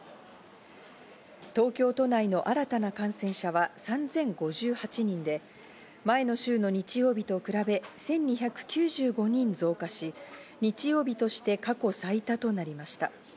東京都内の新たな感染者は３０５８人で、前の週の日曜日と比べ、１２９５人増加し、日曜日として過去最多となりました。